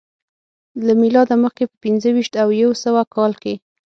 له میلاده مخکې په پنځه ویشت او یو سوه کال کې